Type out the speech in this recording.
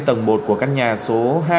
tầng một của căn nhà số hai